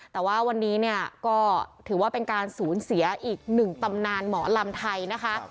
แต่ว่าวันนี้เนี่ยก็ถือว่าเป็นการสูญเสียอีกหนึ่งตำนานหมอลำไทยนะคะ